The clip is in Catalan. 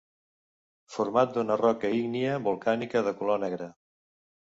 Format d'una roca ígnia volcànica de color negre.